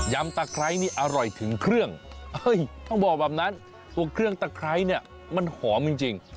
ำตะไคร้นี่อร่อยถึงเครื่องต้องบอกแบบนั้นตัวเครื่องตะไคร้เนี่ยมันหอมจริง